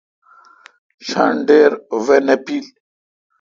ݭن ڈیر وائ نہ پیل۔